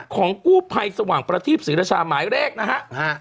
ของกู้ภัยสว่างประทีปศรีรชาหมายแรกนะฮะ